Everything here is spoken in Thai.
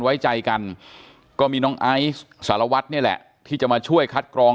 ไว้ใจกันก็มีน้องไอซ์สารวัตรนี่แหละที่จะมาช่วยคัดกรอง